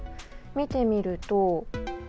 見てみると。